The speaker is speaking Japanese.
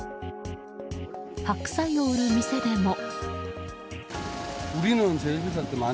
白菜を売る店でも。